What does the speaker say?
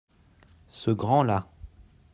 Ce grand-là.